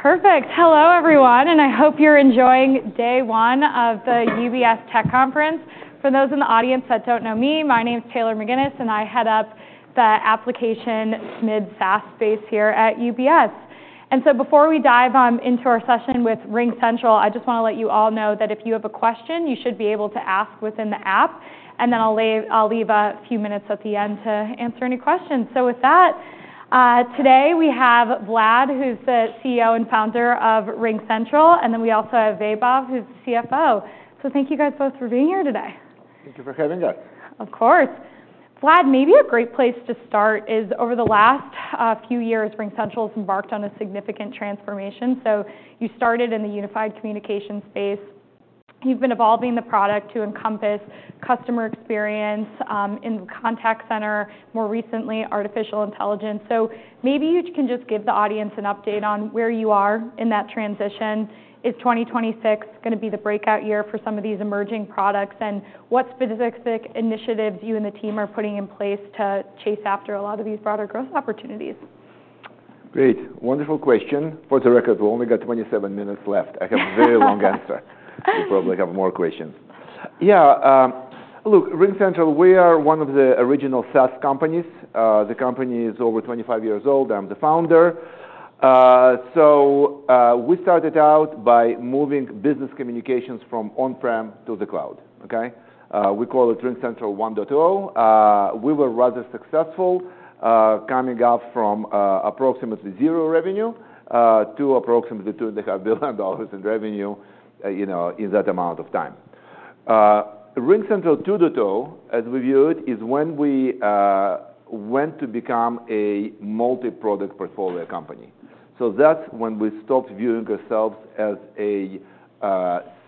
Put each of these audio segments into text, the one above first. Perfect. Hello, everyone. I hope you're enjoying day one of the UBS tech conference. For those in the audience that don't know me, my name's Taylor McGinnis, and I head up the application mid-fast space here at UBS. Before we dive into our session with RingCentral, I just want to let you all know that if you have a question, you should be able to ask within the app. I'll leave a few minutes at the end to answer any questions. With that, today we have Vlad, who's the CEO and founder of RingCentral. We also have Vaibhav, who's the CFO. Thank you guys both for being here today. Thank you for having us. Of course. Vlad, maybe a great place to start is over the last few years, RingCentral has embarked on a significant transformation. You started in the unified communication space. You have been evolving the product to encompass customer experience in the contact center, more recently artificial intelligence. Maybe you can just give the audience an update on where you are in that transition. Is 2026 going to be the breakout year for some of these emerging products? What specific initiatives you and the team are putting in place to chase after a lot of these broader growth opportunities? Great. Wonderful question. For the record, we only got 27 minutes left. I have a very long answer. You probably have more questions. Yeah. Look, RingCentral, we are one of the original SaaS companies. The company is over 25 years old. I'm the founder. We started out by moving business communications from on-prem to the cloud. Okay? We call it RingCentral 1.0. We were rather successful coming up from approximately zero revenue to approximately $2.5 billion in revenue in that amount of time. RingCentral 2.0, as we view it, is when we went to become a multi-product portfolio company. That's when we stopped viewing ourselves as a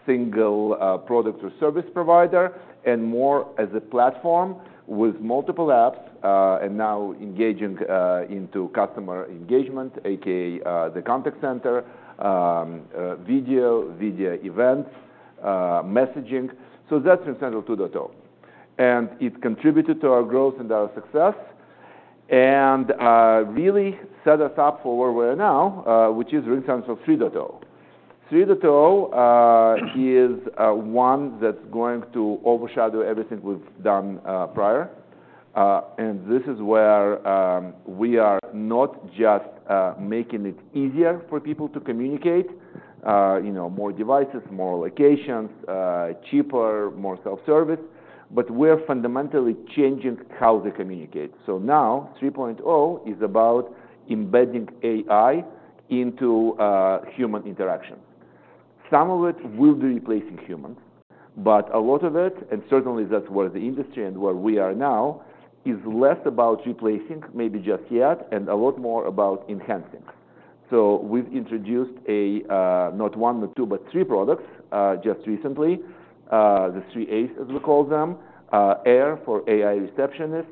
single product or service provider and more as a platform with multiple apps and now engaging into customer engagement, a.k.a. the contact center, video, video events, messaging. That's RingCentral 2.0. It contributed to our growth and our success and really set us up for where we are now, which is RingCentral 3.0. 3.0 is one that's going to overshadow everything we've done prior. This is where we are not just making it easier for people to communicate, more devices, more locations, cheaper, more self-service, but we are fundamentally changing how they communicate. Now 3.0 is about embedding AI into human interactions. Some of it will be replacing humans, but a lot of it, and certainly that's where the industry and where we are now, is less about replacing, maybe just yet, and a lot more about enhancing. We've introduced not one, not two, but three products just recently, the three A's, as we call them, AIR for AI Receptionist,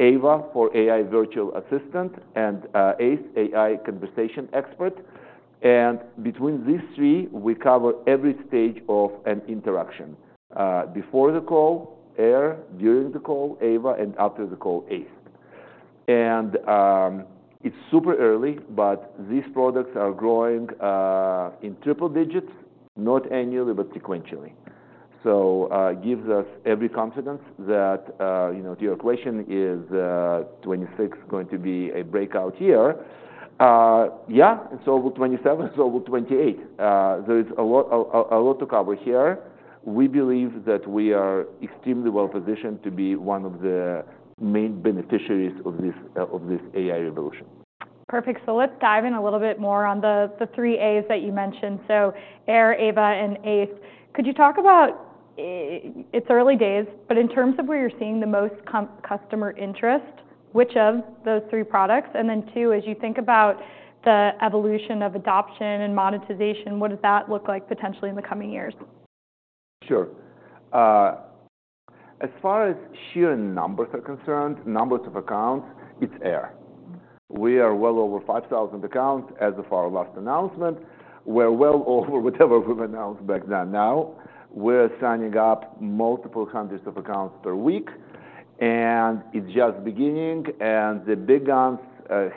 AVA for AI Virtual Assistant, and ACE, AI Conversation Expert. Between these three, we cover every stage of an interaction: before the call, AIR; during the call, AVA; and after the call, ACE. It is super early, but these products are growing in triple digits, not annually, but sequentially. It gives us every confidence that to your question, is 2026 going to be a breakout year? Yes. And so will 2027, so will 2028. There is a lot to cover here. We believe that we are extremely well-positioned to be one of the main beneficiaries of this AI revolution. Perfect. Let's dive in a little bit more on the three A's that you mentioned. AIR, AVA, and ACE. Could you talk about, it's early days, but in terms of where you're seeing the most customer interest, which of those three products? And then two, as you think about the evolution of adoption and monetization, what does that look like potentially in the coming years? Sure. As far as sheer numbers are concerned, numbers of accounts, it's AIR. We are well over 5,000 accounts as of our last announcement. We're well over whatever we've announced back then now. We're signing up multiple hundreds of accounts per week. It is just beginning. The big ones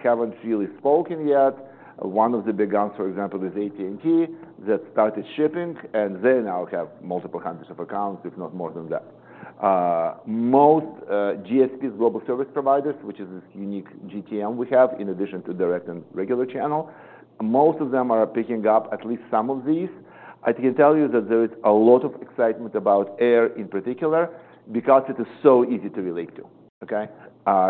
haven't really spoken yet. One of the big ones, for example, is AT&T that started shipping. They now have multiple hundreds of accounts, if not more than that. Most GSPs, global service providers, which is this unique GTM we have in addition to direct and regular channel, most of them are picking up at least some of these. I can tell you that there is a lot of excitement about AIR in particular because it is so easy to relate to.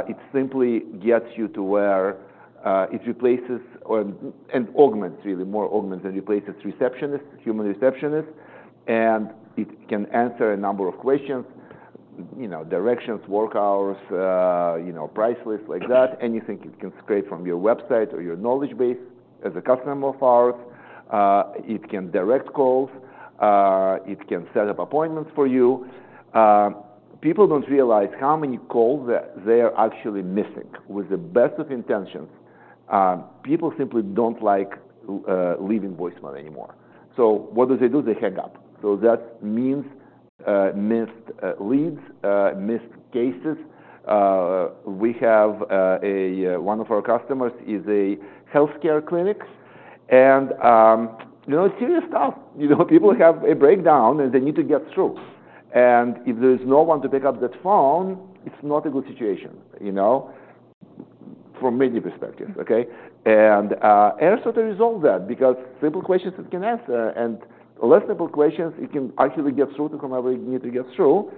It simply gets you to where it replaces and augments, really, more augments and replaces human receptionists. It can answer a number of questions, directions, work hours, price lists like that, anything it can scrape from your website or your knowledge base as a customer of ours. It can direct calls. It can set up appointments for you. People do not realize how many calls they are actually missing with the best of intentions. People simply do not like leaving voicemail anymore. What do they do? They hang up. That means missed leads, missed cases. One of our customers is a healthcare clinic. Serious stuff. People have a breakdown, and they need to get through. If there is no one to pick up that phone, it is not a good situation from many perspectives. AIR sort of resolved that because simple questions it can answer. Less simple questions, it can actually get through to whomever it needs to get through.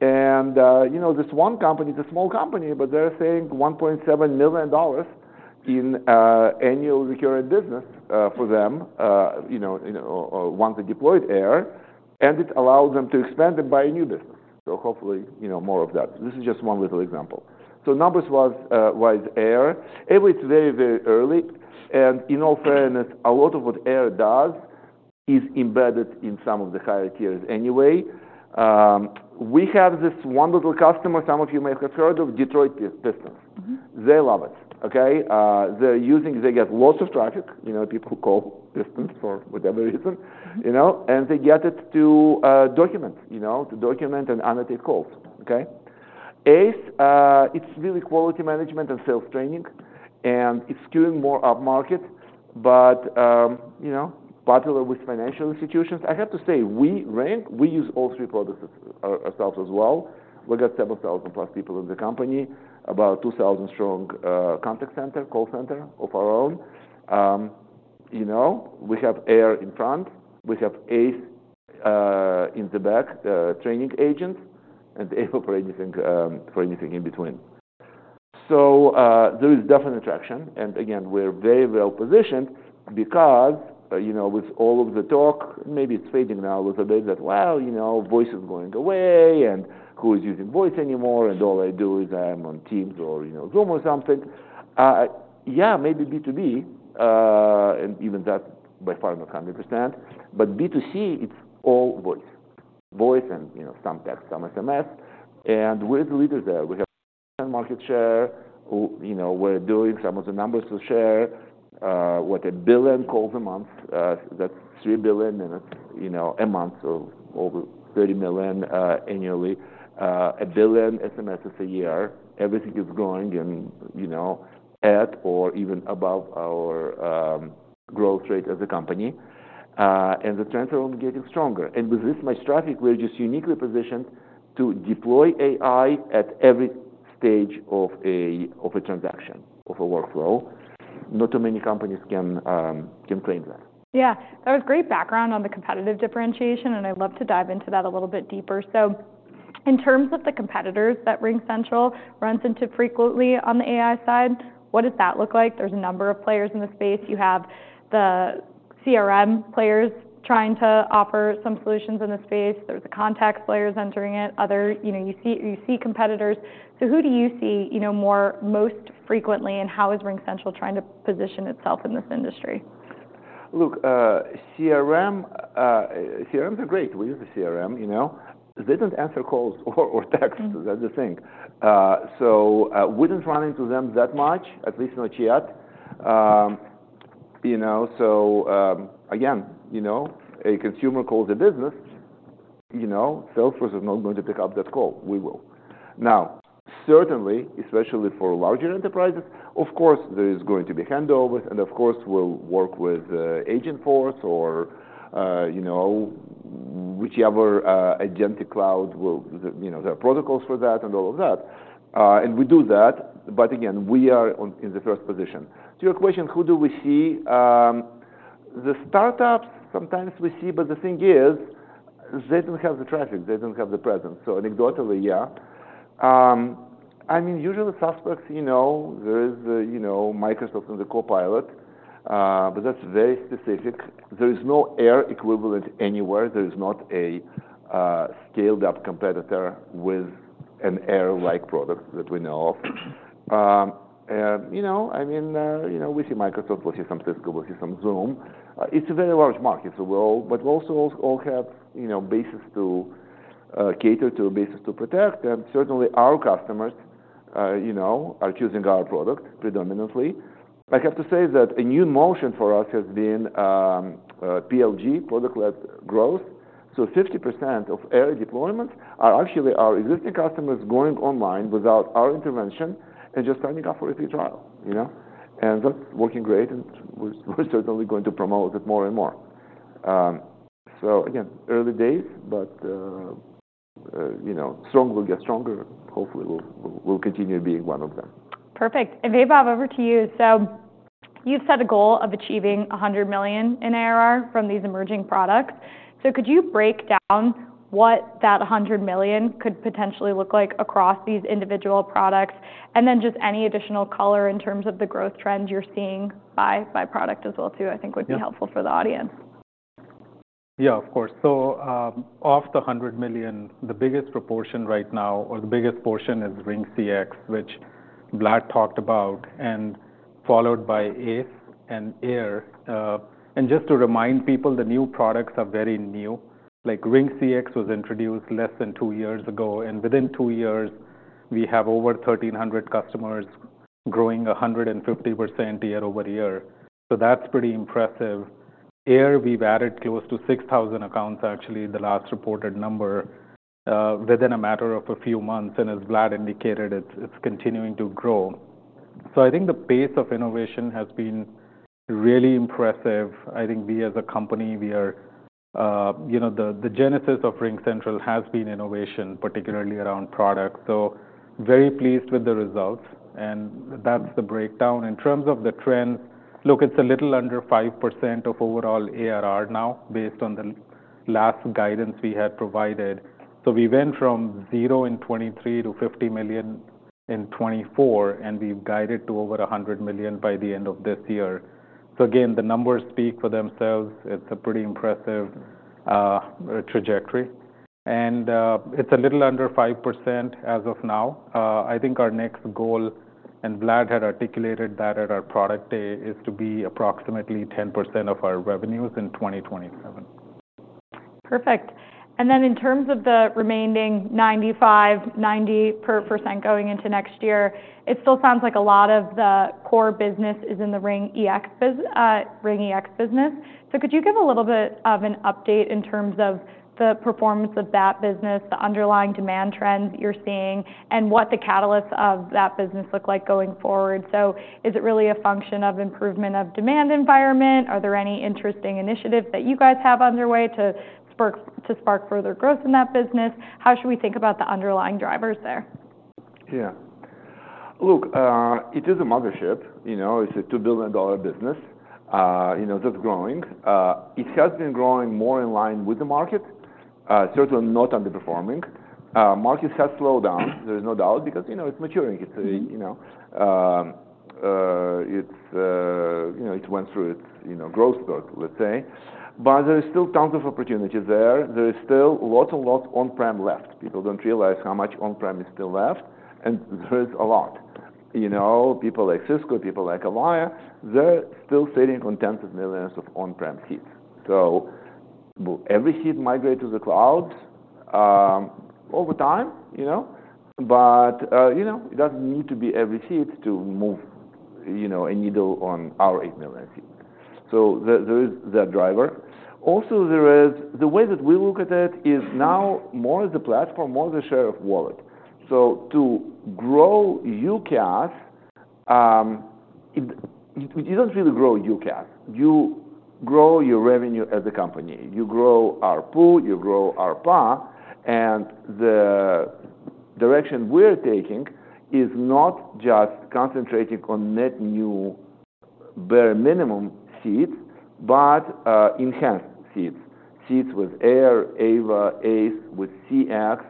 This one company is a small company, but they're saying $1.7 million in annual recurring business for them once they deployed AIR. It allows them to expand and buy a new business. Hopefully more of that. This is just one little example. Numbers-wise, AIR, Avery is very, very early. In all fairness, a lot of what AIR does is embedded in some of the higher tiers anyway. We have this wonderful customer, some of you may have heard of, Detroit Pistons. They love it. They're using it, they get lots of traffic, people who call Pistons for whatever reason. They get it to document, to document and annotate calls. ACE, it's really quality management and sales training. It's queuing more upmarket, but popular with financial institutions. I have to say, we use all three products ourselves as well. We got 7,000+ people in the company, about 2,000-strong contact center, call center of our own. We have AIR in front. We have ACE in the back, training agents, and ACE for anything in between. There is definite traction. Again, we're very well-positioned because with all of the talk, maybe it's fading now a little bit that, well, voice is going away, and who is using voice anymore? All I do is I'm on Teams or Zoom or something. Yeah, maybe B2B, and even that, by far, not 100%. B2C, it's all voice. Voice and some text, some SMS. We're the leaders there. We have a market share. We're doing some of the numbers to share. What, a billion calls a month? That's 3 billion minutes a month, over 30 billion annually. A billion SMSs a year. Everything is growing and at or even above our growth rate as a company. The trends are only getting stronger. With this much traffic, we're just uniquely positioned to deploy AI at every stage of a transaction, of a workflow. Not too many companies can claim that. Yeah. That was great background on the competitive differentiation. I’d love to dive into that a little bit deeper. In terms of the competitors that RingCentral runs into frequently on the AI side, what does that look like? There’s a number of players in the space. You have the CRM players trying to offer some solutions in the space. There’s the contacts players entering it. You see competitors. Who do you see most frequently? How is RingCentral trying to position itself in this industry? Look, CRMs are great. We use the CRM. They do not answer calls or texts. That is the thing. We did not run into them that much, at least not yet. Again, a consumer calls a business. Salesforce is not going to pick up that call. We will. Certainly, especially for larger enterprises, of course, there is going to be handovers. Of course, we will w3ork with Agentforce or whichever agentic cloud will have protocols for that and all of that. We do that. Again, we are in the first position. To your question, who do we see? The startups, sometimes we see, but the thing is, they do not have the traffic. They do not have the presence. Anecdotally, yeah. I mean, usual suspects, there is Microsoft and the Copilot, but that is very specific. There is no AIR equivalent anywhere. There is not a scaled-up competitor with an AIR-like product that we know of. I mean, we see Microsoft. We will see some Cisco. We will see some Zoom. It is a very large market. We also all have bases to cater to, bases to protect. Certainly, our customers are choosing our product predominantly. I have to say that a new motion for us has been PLG, product-led growth. 50% of AIR deployments are actually our existing customers going online without our intervention and just signing up for a free trial. That is working great. We are certainly going to promote it more and more. Again, early days, but strong will get stronger. Hopefully, we will continue being one of them. Perfect. Vaibhav, over to you. You have set a goal of achieving $100 million in ARR from these emerging products. Could you break down what that $100 million could potentially look like across these individual products? Any additional color in terms of the growth trend you are seeing by product as well, I think would be helpful for the audience. Yeah, of course. Of the $100 million, the biggest proportion right now, or the biggest portion, is RingCX, which Vlad talked about, followed by ACE and AIR. Just to remind people, the new products are very new. RingCX was introduced less than two years ago. Within two years, we have over 1,300 customers growing 150% year-over-year. That's pretty impressive. AIR, we've added close to 6,000 accounts, actually, the last reported number, within a matter of a few months. As Vlad indicated, it's continuing to grow. I think the pace of innovation has been really impressive. I think we, as a company, the genesis of RingCentral has been innovation, particularly around products. Very pleased with the results. That's the breakdown. In terms of the trends, look, it's a little under 5% of overall ARR now, based on the last guidance we had provided. We went from zero in 2023 to $50 million in 2024, and we've guided to over $100 million by the end of this year. The numbers speak for themselves. It's a pretty impressive trajectory. It's a little under 5% as of now. I think our next goal, and Vlad had articulated that at our product day, is to be approximately 10% of our revenues in 2027. Perfect. In terms of the remaining 95%, 90% going into next year, it still sounds like a lot of the core business is in the RingEX business. Could you give a little bit of an update in terms of the performance of that business, the underlying demand trends you're seeing, and what the catalysts of that business look like going forward? Is it really a function of improvement of demand environment? Are there any interesting initiatives that you guys have underway to spark further growth in that business? How should we think about the underlying drivers there? Yeah. Look, it is a mothership. It's a $2 billion business that's growing. It has been growing more in line with the market, certainly not underperforming. Markets have slowed down, there is no doubt, because it's maturing. It went through its growth spurt, let's say. There are still tons of opportunities there. There are still lots and lots on-prem left. People do not realize how much on-prem is still left. There is a lot. People like Cisco, people like Avaya, they are still sitting on tens of millions of on-prem seats. Every seat migrates to the cloud over time. It does not need to be every seat to move a needle on our 8 million seats. There is that driver. Also, the way that we look at it is now more as a platform, more as a share of wallet. To grow UCaaS, you don't really grow UCaaS. You grow your revenue as a company. You grow our pool. You grow our PA. The direction we're taking is not just concentrating on net new bare minimum seats, but enhanced seats. Seats with AIR, AVA, ACE, with CX.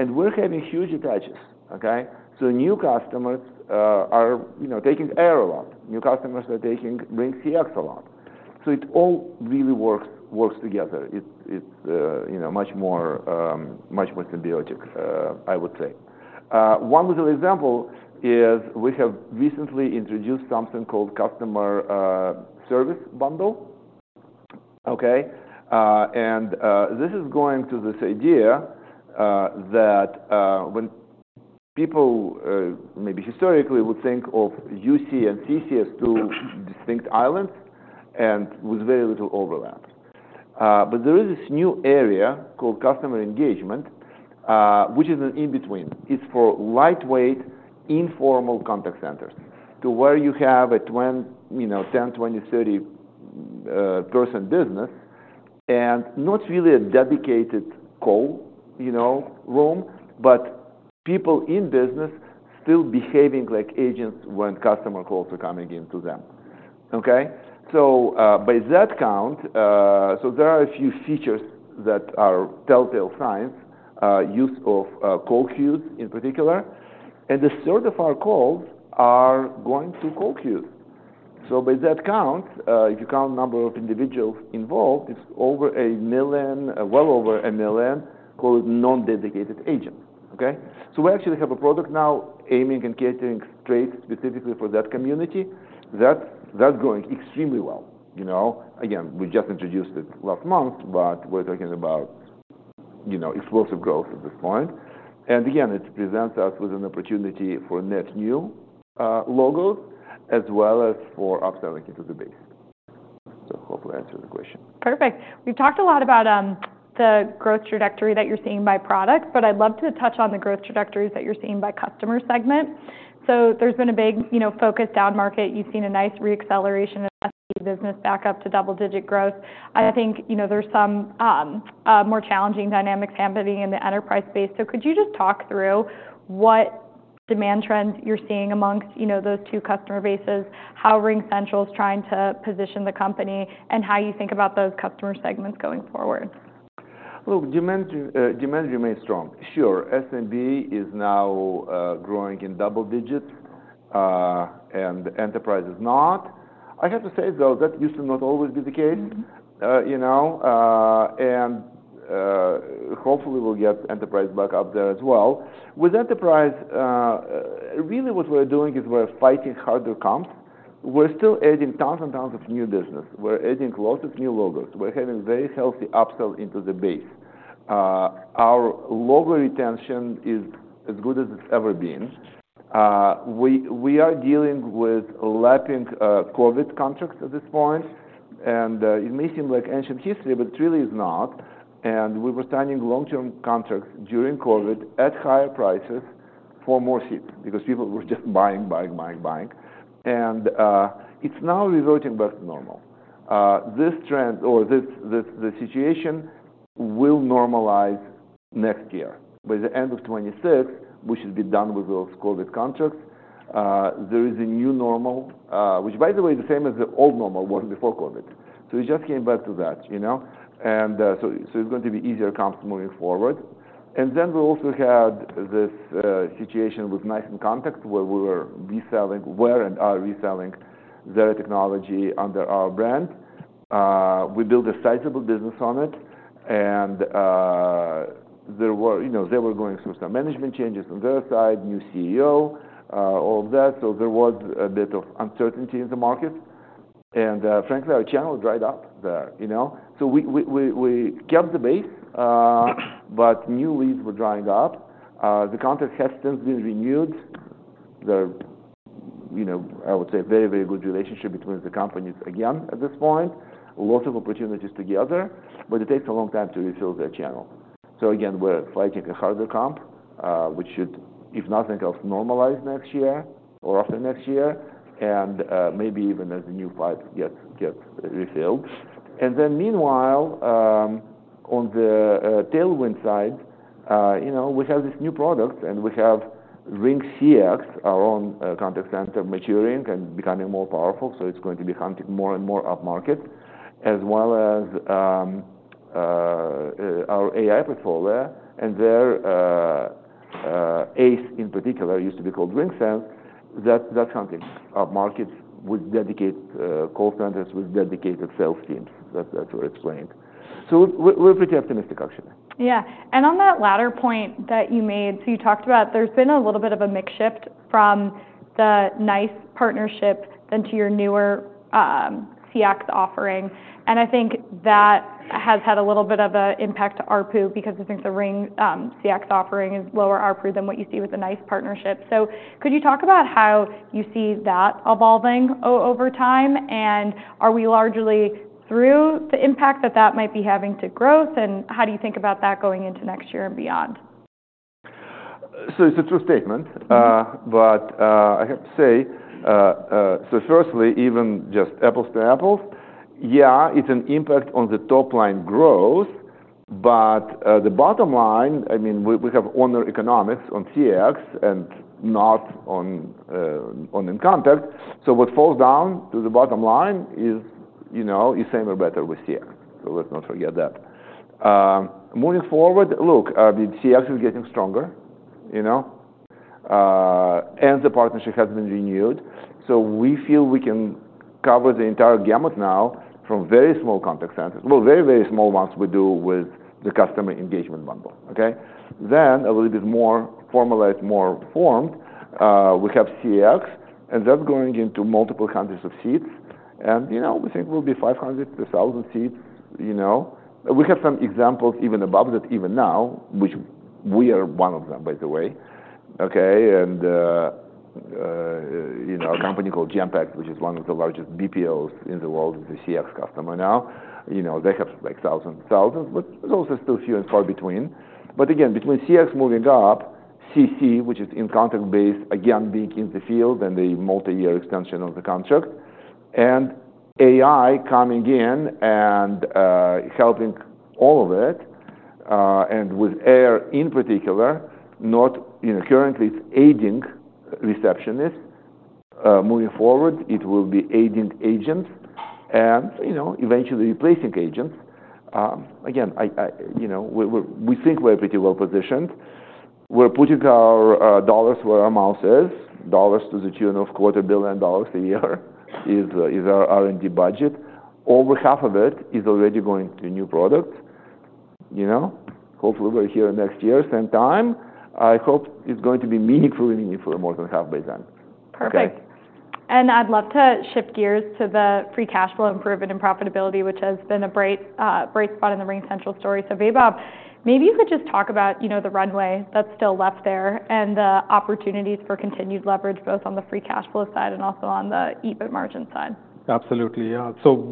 We're having huge attaches. Okay? New customers are taking AIR a lot. New customers are taking RingCX a lot. It all really works together. It's much more symbiotic, I would say. One little example is we have recently introduced something called customer service bundle. Okay? This is going to this idea that when people, maybe historically, would think of UC and CC as two distinct islands with very little overlap. There is this new area called customer engagement, which is an in-between. It's for lightweight, informal contact centers where you have a 10, 20, 30-person business and not really a dedicated call room, but people in business still behaving like agents when customer calls are coming into them. Okay? By that count, there are a few features that are telltale signs, use of call queues in particular. A 1/3 of our calls are going through call queues. By that count, if you count the number of individuals involved, it's well over a million called non-dedicated agents. Okay? We actually have a product now aiming and catering straight specifically for that community. That's going extremely well. Again, we just introduced it last month, but we're talking about explosive growth at this point. It presents us with an opportunity for net new logos as well as for upselling into the base. Hopefully, I answered the question. Perfect. We've talked a lot about the growth trajectory that you're seeing by product, but I'd love to touch on the growth trajectories that you're seeing by customer segment. There's been a big focus down market. You've seen a nice reacceleration of SMB business back up to double-digit growth. I think there's some more challenging dynamics happening in the enterprise space. Could you just talk through what demand trends you're seeing amongst those two customer bases, how RingCentral is trying to position the company, and how you think about those customer segments going forward? Look, demand remains strong. Sure. SMB is now growing in double digits, and enterprise is not. I have to say, though, that used to not always be the case. Hopefully, we'll get enterprise back up there as well. With enterprise, really what we're doing is we're fighting harder comps. We're still adding tons and tons of new business. We're adding lots of new logos. We're having very healthy upsell into the base. Our logo retention is as good as it's ever been. We are dealing with lapping COVID contracts at this point. It may seem like ancient history, but it really is not. We were signing long-term contracts during COVID at higher prices for more seats because people were just buying, buying, buying, buying. It's now reverting back to normal. This trend or the situation will normalize next year. By the end of 2026, which should be done with those COVID contracts, there is a new normal, which, by the way, is the same as the old normal was before COVID. We just came back to that. It is going to be easier comps moving forward. We also had this situation with NICE inContact where we were reselling, where and are reselling their technology under our brand. We built a sizable business on it. They were going through some management changes on their side, new CEO, all of that. There was a bit of uncertainty in the market. Frankly, our channel dried up there. We kept the base, but new leads were drying up. The contract has since been renewed. There are, I would say, very, very good relationships between the companies again at this point. Lots of opportunities together. It takes a long time to refill their channel. Again, we're fighting a harder comp, which should, if nothing else, normalize next year or after next year, and maybe even as the new pipes get refilled. Meanwhile, on the tailwind side, we have this new product, and we have RingCX, our own contact center, maturing and becoming more powerful. It is going to be hunting more and more up market, as well as our AI portfolio. There, ACE in particular, used to be called RingSense, is hunting up markets with dedicated call centers with dedicated sales teams. That is where it is playing. We're pretty optimistic, actually. Yeah. On that latter point that you made, you talked about there's been a little bit of a mix shift from the NICE partnership to your newer CX offering. I think that has had a little bit of an impact to ARPU because I think the RingCX offering is lower ARPU than what you see with the NICE partnership. Could you talk about how you see that evolving over time? Are we largely through the impact that that might be having to growth? How do you think about that going into next year and beyond? It's a true statement. I have to say, firstly, even just apples to apples, yeah, it's an impact on the top-line growth. The bottom line, I mean, we have owner economics on CX and not on inContact. What falls down to the bottom line is same or better with CX. Let's not forget that. Moving forward, look, CX is getting stronger. The partnership has been renewed. We feel we can cover the entire gamut now from very small contact centers. Very, very small ones we do with the customer engagement bundle. Okay? Then a little bit more formalized, more formed, we have CX, and that's going into multiple hundreds of seats. We think we'll be 500-1,000 seats. We have some examples even above that, even now, which we are one of them, by the way. Okay? A company called Genpact, which is one of the largest BPOs in the world, is a CX customer now. They have like thousands, thousands, but those are still few and far between. Again, between CX moving up, CC, which is inContact-based, again, being in the field and the multi-year extension of the contract, and AI coming in and helping all of it, and with AIR in particular, not currently aiding receptionists. Moving forward, it will be aiding agents and eventually replacing agents. Again, we think we're pretty well positioned. We're putting our dollars where our mouth is. Dollars to the tune of $250 million a year is our R&D budget. Over half of it is already going to new products. Hopefully, we're here next year, same time. I hope it's going to be meaningfully, meaningfully more than half by then. Perfect. I'd love to shift gears to the free cash flow improvement and profitability, which has been a bright spot in the RingCentral story. Vaibhav, maybe you could just talk about the runway that's still left there and the opportunities for continued leverage, both on the free cash flow side and also on the EBIT margin side. Absolutely. Yeah.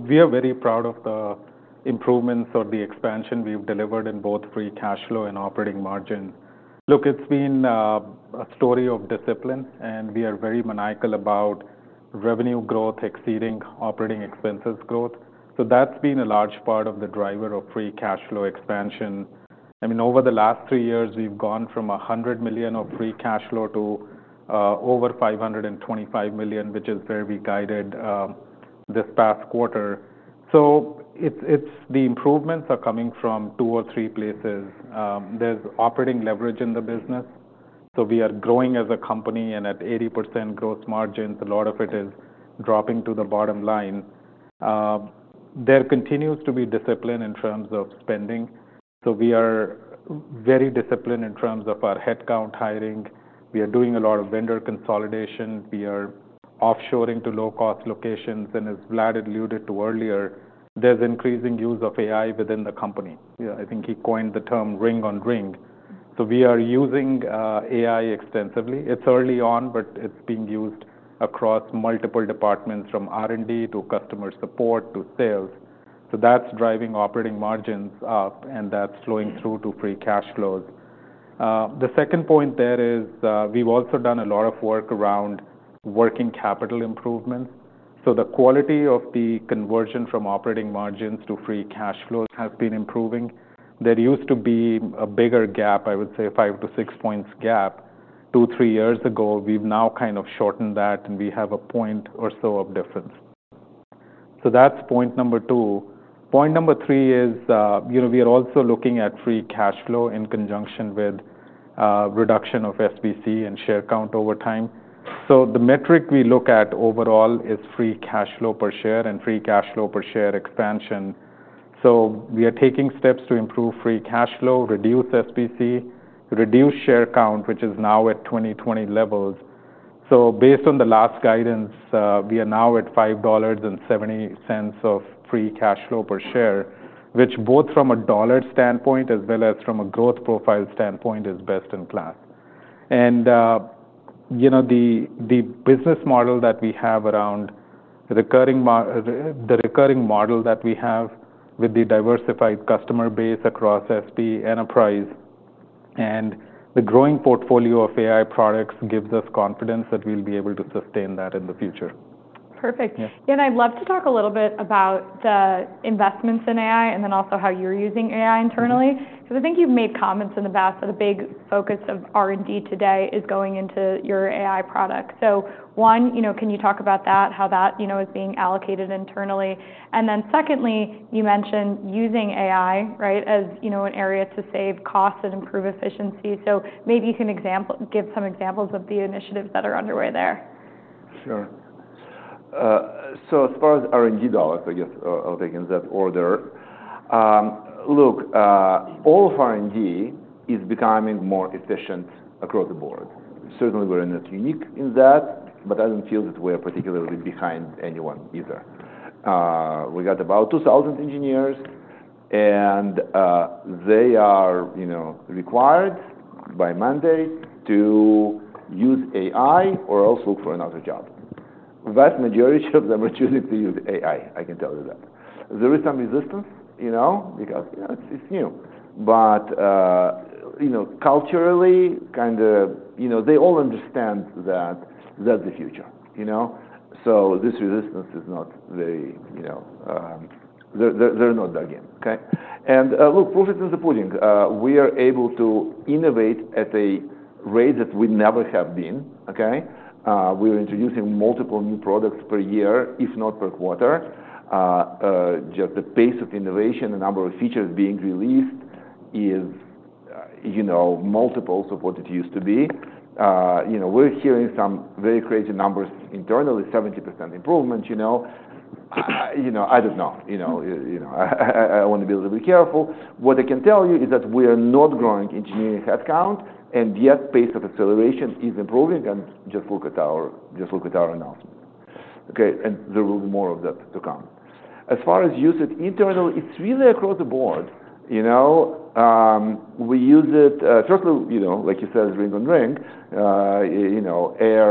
We are very proud of the improvements or the expansion we've delivered in both free cash flow and operating margin. Look, it's been a story of discipline, and we are very maniacal about revenue growth exceeding operating expenses growth. That's been a large part of the driver of free cash flow expansion. I mean, over the last three years, we've gone from $100 million of free cash flow to over $525 million, which is where we guided this past quarter. The improvements are coming from two or three places. There's operating leverage in the business. We are growing as a company and at 80% gross margins. A lot of it is dropping to the bottom line. There continues to be discipline in terms of spending. We are very disciplined in terms of our headcount hiring. We are doing a lot of vendor consolidation. We are offshoring to low-cost locations. As Vlad alluded to earlier, there is increasing use of AI within the company. I think he coined the term ring on ring. We are using AI extensively. It is early on, but it is being used across multiple departments from R&D to customer support to sales. That is driving operating margins up, and that is flowing through to free cash flows. The second point there is we have also done a lot of work around working capital improvements. The quality of the conversion from operating margins to free cash flows has been improving. There used to be a bigger gap, I would say, five to six points gap two, three years ago. We have now kind of shortened that, and we have a point or so of difference. That is point number two. Point number three is we are also looking at free cash flow in conjunction with reduction of SBC and share count over time. The metric we look at overall is free cash flow per share and free cash flow per share expansion. We are taking steps to improve free cash flow, reduce SBC, reduce share count, which is now at 2020 levels. Based on the last guidance, we are now at $5.70 of free cash flow per share, which both from a dollar standpoint as well as from a growth profile standpoint is best in class. The business model that we have around the recurring model that we have with the diversified customer base across SB enterprise and the growing portfolio of AI products gives us confidence that we'll be able to sustain that in the future. Perfect. I'd love to talk a little bit about the investments in AI and then also how you're using AI internally. I think you've made comments in the past that a big focus of R&D today is going into your AI product. One, can you talk about that, how that is being allocated internally? Secondly, you mentioned using AI, right, as an area to save costs and improve efficiency. Maybe you can give some examples of the initiatives that are underway there. Sure. As far as R&D dollars, I guess, are taken in that order. Look, all of R&D is becoming more efficient across the board. Certainly, we're not unique in that, but I don't feel that we are particularly behind anyone either. We got about 2,000 engineers, and they are required by mandate to use AI or else look for another job. Vast majority of them are choosing to use AI, I can tell you that. There is some resistance because it's new. Culturally, kind of they all understand that that's the future. This resistance is not very—they're not there again. Okay? Look, proof is in the pudding. We are able to innovate at a rate that we never have been. Okay? We are introducing multiple new products per year, if not per quarter. Just the pace of innovation, the number of features being released is multiples of what it used to be. We're hearing some very crazy numbers internally, 70% improvement. I don't know. I want to be a little bit careful. What I can tell you is that we are not growing engineering headcount, yet pace of acceleration is improving. Just look at our announcement. Okay? There will be more of that to come. As far as use it internally, it's really across the board. We use it, certainly, like you said, ring on ring, AIR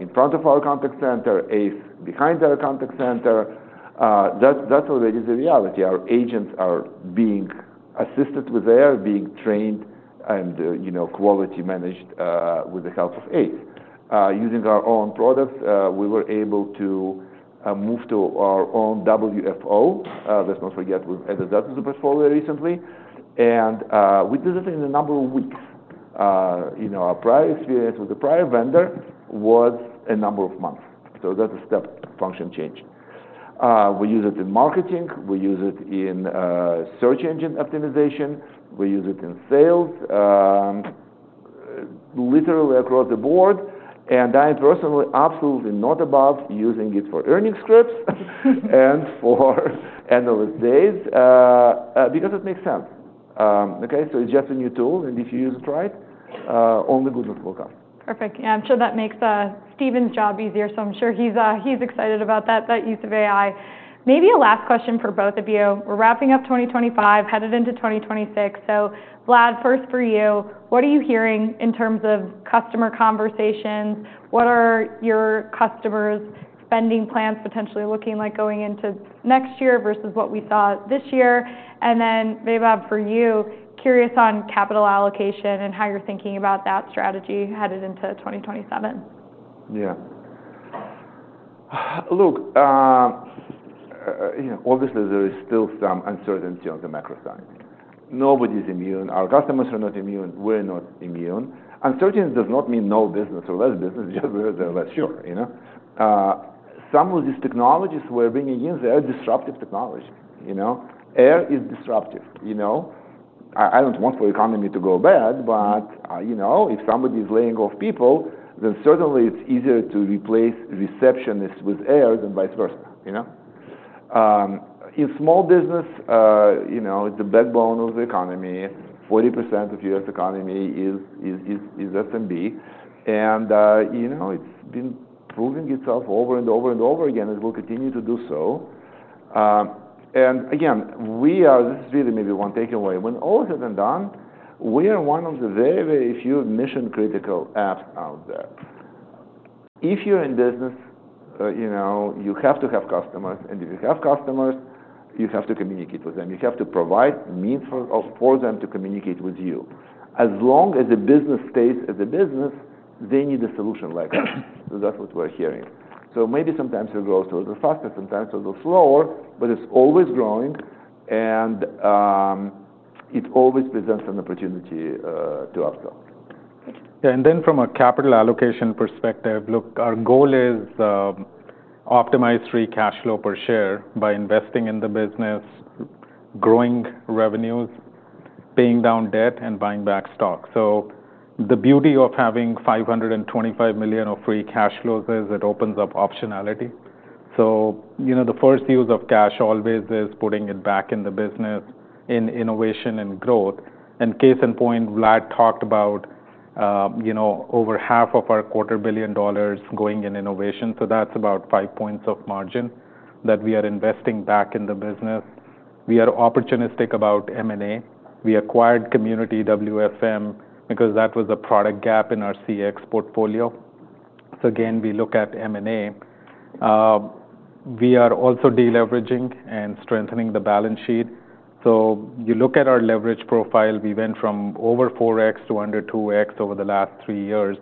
in front of our contact center, ACE behind our contact center. That's already the reality. Our agents are being assisted with AIR, being trained and quality managed with the help of ACE. Using our own products, we were able to move to our own WFO. Let's not forget we've added that to the portfolio recently. We did it in a number of weeks. Our prior experience with the prior vendor was a number of months. That is a step function change. We use it in marketing. We use it in search engine optimization. We use it in sales, literally across the board. I'm personally absolutely not above using it for earning scripts and for end of the days because it makes sense. It is just a new tool, and if you use it right, only goodness will come. Perfect. I'm sure that makes Steven's job easier. I'm sure he's excited about that use of AI. Maybe a last question for both of you. We're wrapping up 2025, headed into 2026. Vlad, first for you, what are you hearing in terms of customer conversations? What are your customers' spending plans potentially looking like going into next year versus what we saw this year? Vaibhav, for you, curious on capital allocation and how you're thinking about that strategy headed into 2027. Yeah. Look, obviously, there is still some uncertainty on the macro side. Nobody's immune. Our customers are not immune. We're not immune. Uncertainty does not mean no business or less business, just where they're less sure. Some of these technologies we're bringing in, they are disruptive technology. AIR is disruptive. I don't want for the economy to go bad, but if somebody is laying off people, then certainly it's easier to replace receptionists with AIR than vice versa. In small business, it's the backbone of the economy. 40% of the U.S. economy is SMB. And it's been proving itself over and over and over again, and it will continue to do so. Again, this is really maybe one takeaway. When all is said and done, we are one of the very, very few mission-critical apps out there. If you're in business, you have to have customers. If you have customers, you have to communicate with them. You have to provide means for them to communicate with you. As long as a business stays as a business, they need a solution like us. That is what we are hearing. Maybe sometimes we grow a little faster, sometimes a little slower, but it is always growing, and it always presents an opportunity to upsell. Yeah. And then from a capital allocation perspective, look, our goal is to optimize free cash flow per share by investing in the business, growing revenues, paying down debt, and buying back stock. The beauty of having $525 million of free cash flows is it opens up optionality. The first use of cash always is putting it back in the business, in innovation and growth. Case in point, Vlad talked about over half of our quarter billion dollars going in innovation. That is about five points of margin that we are investing back in the business. We are opportunistic about M&A. We acquired CommunityWFM because that was a product gap in our CX portfolio. Again, we look at M&A. We are also deleveraging and strengthening the balance sheet. You look at our leverage profile, we went from over 4x to under 2x over the last three years.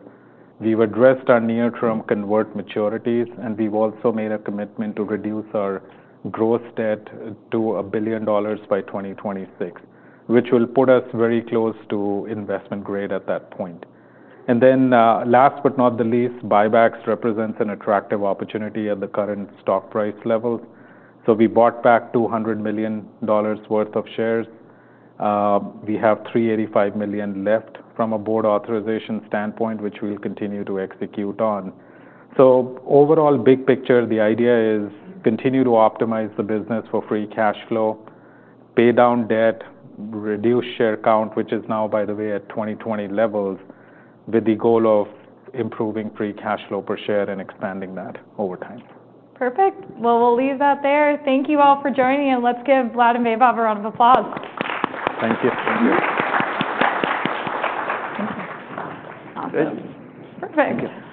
We have addressed our near-term convert maturities, and we have also made a commitment to reduce our gross debt to $1 billion by 2026, which will put us very close to investment grade at that point. Last but not the least, buybacks represent an attractive opportunity at the current stock price levels. We bought back $200 million worth of shares. We have $385 million left from a board authorization standpoint, which we will continue to execute on. Overall, big picture, the idea is to continue to optimize the business for free cash flow, pay down debt, reduce share count, which is now, by the way, at 2020 levels, with the goal of improving free cash flow per share and expanding that over time. Perfect. We'll leave that there. Thank you all for joining, and let's give Vlad and Vaibhav a round of applause. Thank you. Thank you. Awesome. Perfect.